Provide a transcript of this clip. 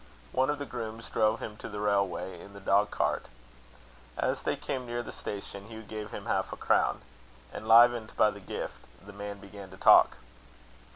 One of the grooms drove him to the railway in the dog cart. As they came near the station, Hugh gave him half a crown. Enlivened by the gift, the man began to talk.